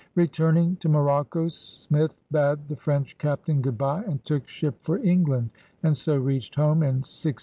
Returning to Mo rocco, Smith bade the French captain good bye and took ship for England, and so reached home in 1604.